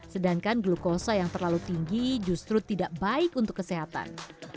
sedangkan glukosa yang terlalu tinggi justru tidak baik untuk kesehatan